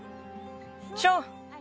ショー！